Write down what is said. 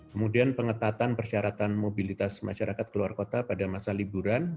kemudian pengetatan persyaratan mobilitas masyarakat keluar kota pada masa liburan